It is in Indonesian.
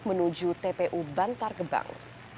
menuju tpu bantar gebang